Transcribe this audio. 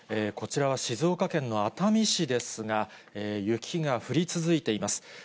こちらは静岡県の熱海市ですが、雪が降り続いています。